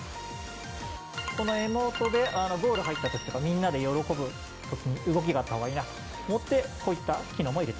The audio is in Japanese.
このＥＭＯＴＥでゴール入った時とかみんなで喜ぶ時に動きがかわいいなと思って。